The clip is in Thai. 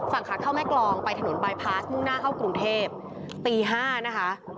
ฝั่งขาดเข้าแม่กรองไปถนนปลายพลาสมุ่งหน้าเข้ากรุงเทพปีห้านะคะ